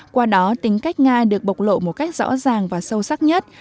qua đó tính cách nga được bộc lộ một cách rõ ràng và sâu sắc nhất